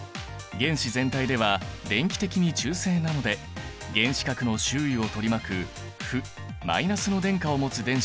原子全体では電気的に中性なので原子核の周囲を取り巻く負−の電荷を持つ電子は２つ。